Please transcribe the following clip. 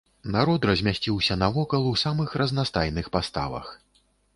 Народ размясціўся навокал у самых разнастайных паставах.